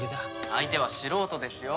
相手は素人ですよ。